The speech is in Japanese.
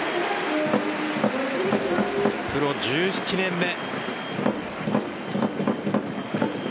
プロ１７年目。